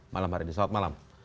malam hari ini selamat malam